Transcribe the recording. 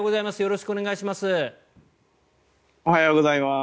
おはようございます。